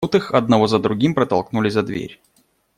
Тут их одного за другим протолкнули за дверь.